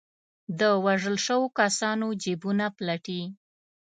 د وژل شوو کسانو جېبونه پلټي.